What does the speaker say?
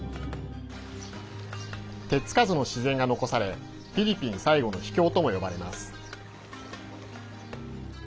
手付かずの自然が残されフィリピン最後の秘境とも呼ばれます。